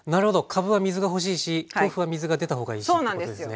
かぶは水が欲しいし豆腐は水が出た方がいいしってことですね。